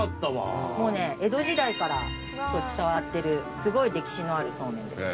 もうね江戸時代から伝わってるすごい歴史のあるそうめんです。